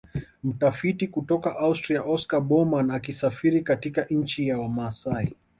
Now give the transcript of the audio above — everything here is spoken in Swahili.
Mtafiti kutoka Austria Oscar Baumann akisafiri katika nchi ya Wamasai